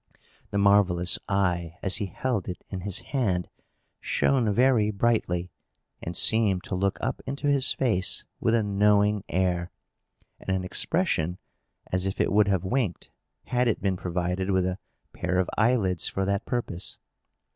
The marvellous eye, as he held it in his hand, shone very brightly, and seemed to look up into his face with a knowing air, and an expression as if it would have winked, had it been provided with a pair of eyelids for that purpose.